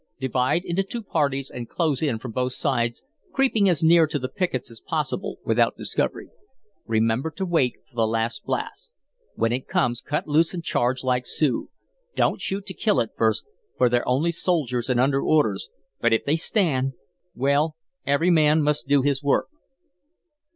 Divide into two parties and close in from both sides, creeping as near to the pickets as possible without discovery. Remember to wait for the last blast. When it comes, cut loose and charge like Sioux. Don't shoot to kill at first, for they're only soldiers and under orders, but if they stand well, every man must do his work."